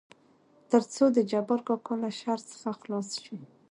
تر څو دجبار کاکا له شر څخه خلاص شي.